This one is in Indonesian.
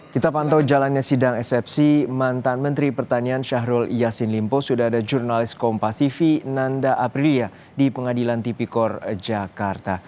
kita pantau jalannya sidang eksepsi mantan menteri pertanian syahrul yassin limpo sudah ada jurnalis kompasifi nanda aprilia di pengadilan tipikor jakarta